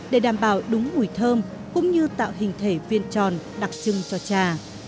để đảm bảo đúng mùi thơm cũng như tạo hình thể viên tròn đặc trưng cho trà